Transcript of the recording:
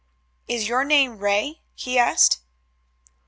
"Is your name Ray?" he asked.